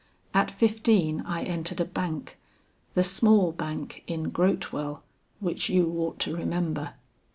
At fifteen, I entered a bank, the small bank in Grotewell, which you ought to remember.